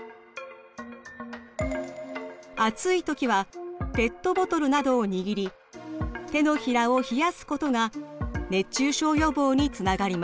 暑い時はペットボトルなどを握り手のひらを冷やすことが熱中症予防につながります。